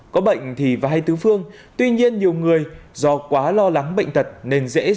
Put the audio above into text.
có bệnh thì vài thứ phương tuy nhiên nhiều người do quá lo lắng bệnh tật nên dễ dàng để các đối tượng